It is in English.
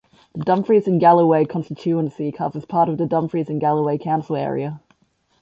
The Dumfries and Galloway constituency covers part of the Dumfries and Galloway council area.